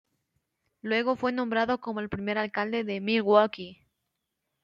Luego fue nombrado como el primer alcalde de Milwaukee.